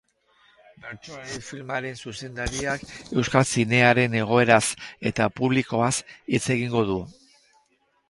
Bertsolari filmaren zuzendariak euskal zinearen egoeraz eta publikoaz hitz egingo du.